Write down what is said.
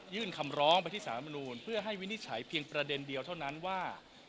คำร้องไปที่สารมนูลเพื่อให้วินิจฉัยเพียงประเด็นเดียวเท่านั้นว่า